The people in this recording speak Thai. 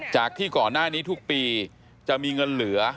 จากที่ก่อนหน้านี้ทุกปีจะมีเงินเหลือ